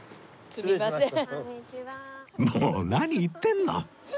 もう何言ってるの？